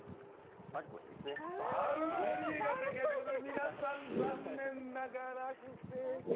皆さん残念ながら不正解。